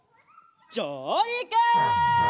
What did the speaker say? じょうりく！